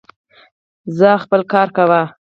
ځاا خپل کار کوه